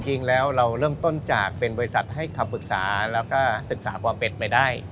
จริงแล้วเราเริ่มต้นจากเป็นบริษัทให้คำปรึกษาแล้วก็ศึกษาปเป็ดไปได้